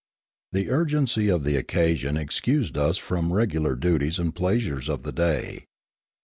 The urgency of the occasion excused us from the regular duties and pleasures of the day.